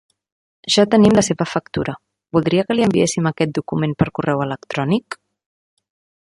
Ja tenim la seva factura, voldria que li enviéssim aquest document per correu electrònic?